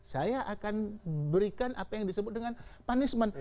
saya akan berikan apa yang disebut dengan punishment